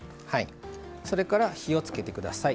それから火をつけてください。